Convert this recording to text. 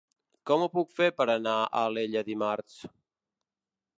Com ho puc fer per anar a Alella dimarts?